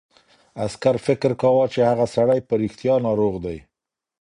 عسکر فکر کاوه چې هغه سړی په رښتیا ناروغ دی.